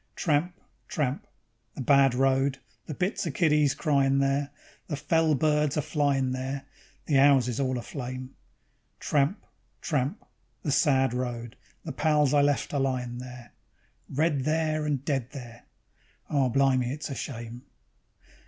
Tramp, tramp, the bad road, the bits o' kiddies cryin' there, The fell birds a flyin' there, the 'ouses all aflame; Tramp, tramp, the sad road, the pals I left a lyin' there, Red there, and dead there. ... Oh blimy, it's a shame!